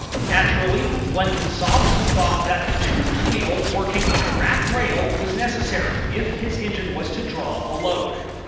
Naturally, Blenkins(^ thought that the toothed wheel working in a rack rail was neces sary, if his engine was to draw a load.